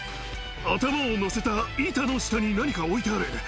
頭をのせた板の下に何か置いてある。